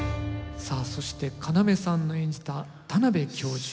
さあそして要さんの演じた田邊教授。